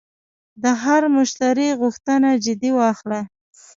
د هر مشتری غوښتنه جدي واخله.